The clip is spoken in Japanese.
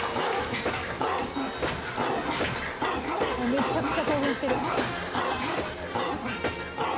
「めちゃくちゃ興奮してる」